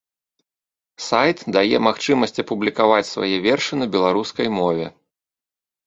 Сайт дае магчымасць апублікаваць свае вершы на беларускай мове.